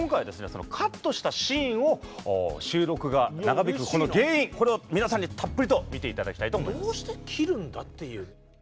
そのカットしたシーンを収録が長引くこの原因これを皆さんにたっぷりと見ていただきたいと思います。